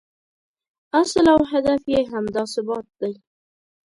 اصل او هدف یې همدا ثبات دی.